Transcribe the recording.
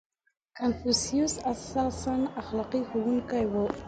• کنفوسیوس اساساً اخلاقي ښوونکی و.